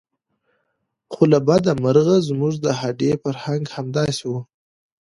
خو له بده مرغه زموږ د هډې فرهنګ همداسې و.